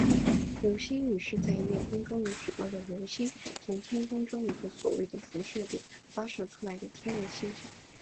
流星雨是在夜空中有许多的流星从天空中一个所谓的辐射点发射出来的天文现象。